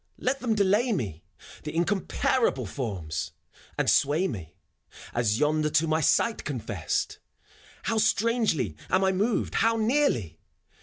Let them delay me, The incomparahle Forms !— and sway me, As yonder to my sight confessed ! How strangely am I moved, how nearly